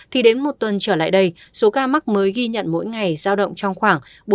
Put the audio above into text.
thì đến một tuần trở lại đây số ca mắc mới ghi nhận mỗi ngày giao động trong khoảng